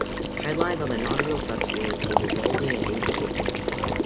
Headliners on the inaugural festival included Valdy and David Wiffen.